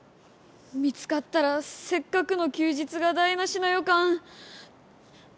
見つかったらせっかくの休日が台なしのよかん。